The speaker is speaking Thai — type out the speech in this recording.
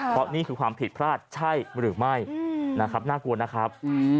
เพราะนี่คือความผิดพลาดใช่หรือไม่นะครับน่ากลัวนะครับ